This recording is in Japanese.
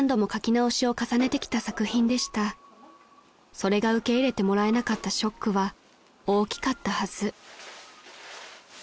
［それが受け入れてもらえなかったショックは大きかったはず］